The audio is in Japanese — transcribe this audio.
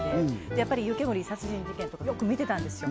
やっぱり「湯けむり殺人事件」とかよく見てたんですよ